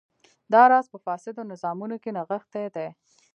دا راز په فاسدو نظامونو کې نغښتی دی.